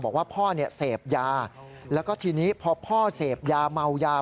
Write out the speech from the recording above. บอกว่าพ่อเนี่ยเสพยาแล้วก็ทีนี้พอพ่อเสพยาเมายา